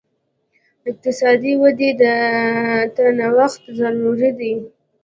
د اقتصاد ودې ته نوښت ضروري دی.